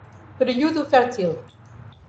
Período fértil